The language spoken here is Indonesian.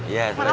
maaf ya pak